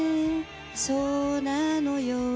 そうなのよ